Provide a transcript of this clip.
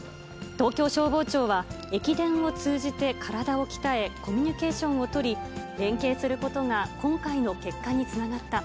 東京消防庁は、駅伝を通じて体を鍛え、コミュニケーションを取り、連携することが今回の結果につながった。